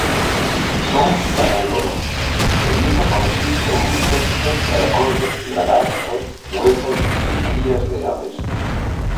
Son carnívoros: su dieta consiste en insectos, caracoles, lagartos, huevos y crías de aves.